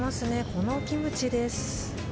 このキムチです。